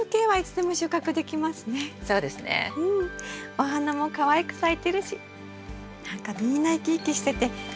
お花もかわいく咲いてるし何かみんな生き生きしてて元気もらえますね。